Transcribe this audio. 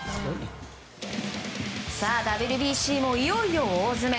さあ、ＷＢＣもいよいよ大詰め。